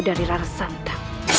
dari rara santa